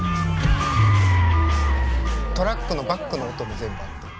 トラックのバックの音も全部合ってる。